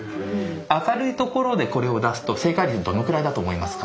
明るいところでこれを出すと正解率どのくらいだと思いますか？